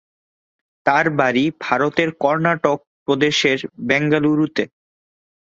তার বাড়ি ভারতের কর্ণাটক প্রদেশের বেঙ্গালুরুতে।